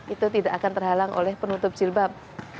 itu tidak akan terhalang oleh penutup jilbab